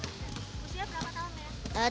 usia berapa tahun